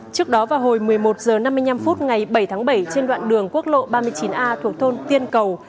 trước đó vào hồi một mươi một h năm mươi năm phút ngày bảy tháng bảy trên đoạn đường quốc lộ ba mươi chín a thuộc thôn tiên cầu